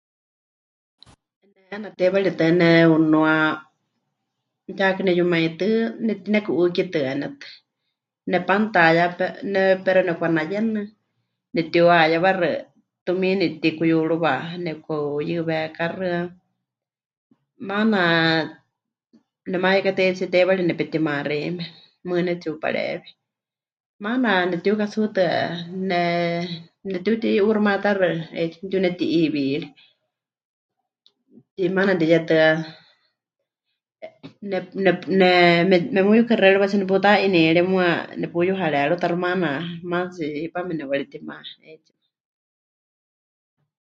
Ne 'eena teiwaritɨ́a nepɨnúa yaakɨ neyumaitɨ́ netinekɨ'ɨ́kitɨanetɨ, nepanutayá pe... ne... pero nepɨka'anayenɨ, nepɨtiuhayewaxɨ, tumiini pɨtikuyúruwa, nepɨka'uyɨwekaxɨa. Maana nemayekateitsie teiwari nepetimá xeíme, mɨɨkɨ pɨnetsi'upareewi. Maana nepɨtiukatsuutɨa ne... nepɨtiuti'uuximayátaxɨ, 'eetsiwa nepɨtiuneti'iiwiri. Y maana mɨtiyetɨa nep... nep... nep... memɨyukɨxexeɨriwatsie neputa'inierie, muuwa nepuyuharerutaxɨ, maana maatsi hipame nepɨwaretima 'eetsiwa.